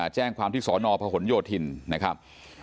แจ้งความที่สอนอพหนโยธินนะครับ